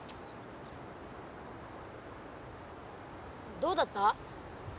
どうだった？